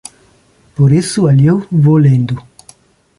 Por isso, alheio, vou lendo